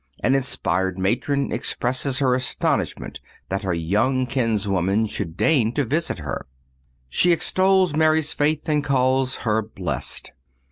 An inspired matron expresses her astonishment that her young kinswoman should deign to visit her. She extols Mary's faith and calls her blessed.